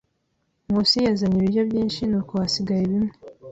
Nkusi yazanye ibiryo byinshi, nuko hasigaye bimwe.